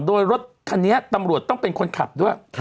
โดยรถคันนี้ตำรวจต้องเป็นคนขับด้วย